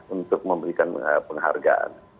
untuk mengembangkan harga